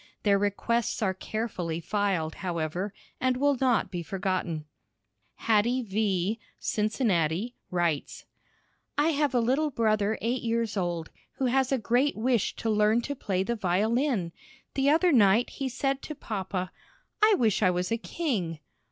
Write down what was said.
Their requests are carefully filed, however, and will not be forgotten. Hattie V., Cincinnati, writes: I have a little brother eight years old, who has a great wish to learn to play the violin. The other night he said to papa, "I wish I was a king."